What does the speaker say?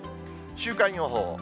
週間予報。